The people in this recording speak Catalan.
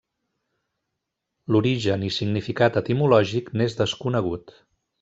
L'origen i significat etimològic n'és desconegut.